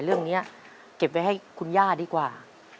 เรื่องนี้เก็บไว้ให้คุณย่าดีกว่า